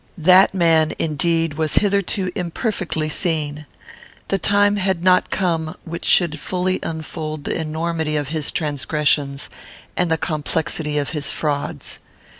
That man, indeed, was hitherto imperfectly seen. The time had not come which should fully unfold the enormity of his transgressions and the complexity of his frauds.